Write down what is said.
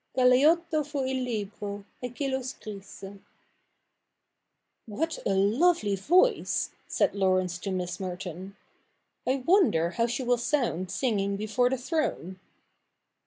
Galeotto fu il libro, e chi lo scrisse. ' What a lovely voice !' said Laurence to IMiss IMerton. ' I wonder how she will sound singing before the throne.'